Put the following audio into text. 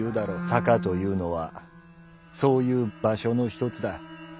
「坂」というのはそういう「場所」の一つだ。